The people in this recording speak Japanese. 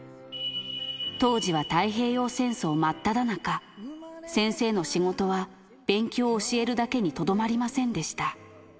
当時は太平洋戦争真っただ中、先生の仕事は、勉強を教えるだけにとどまりませんでした。